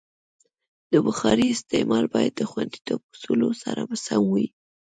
د بخارۍ استعمال باید د خوندیتوب اصولو سره سم وي.